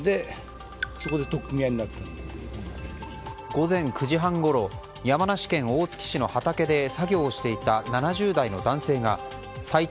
午前９時半ごろ山梨県大月市の畑で作業をしていた７０代の男性が体長